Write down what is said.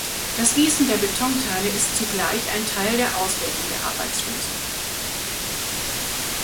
Das Gießen der Betonteile ist zugleich ein Teil der Ausbildung der Arbeitslosen.